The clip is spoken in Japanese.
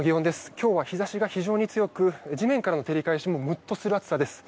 今日は非常に日差しが強く地面からの照り返しもムッとする暑さです。